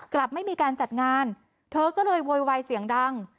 กลับไม่มีการจัดงานเธอก็เลยโวยวายเสียงดัง